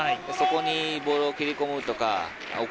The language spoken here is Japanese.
そこにボールを蹴り込むとか。